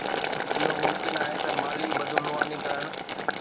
اهو ممڪن آهي ته مالي بدعنواني ڪرڻ.